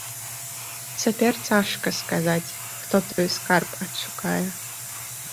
Цяпер цяжка сказаць, хто той скарб адшукае.